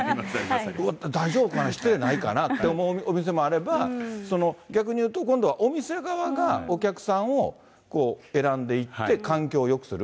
うわ、大丈夫かな、失礼ないかなって思うお店もあれば、逆に言うと、今度はお店側がお客さんを選んでいって環境をよくする。